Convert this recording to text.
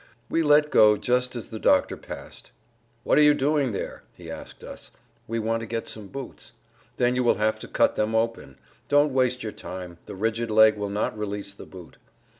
We let go just as the doctor passed. "What are you doing there?" he asked us. "We want to get some boots." "Then you will have to cut them open; don't waste your time, the rigid leg will not release the boot."